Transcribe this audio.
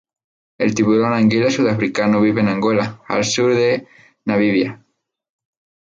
El tiburón anguila sudafricano vive en Angola, al sur de Namibia.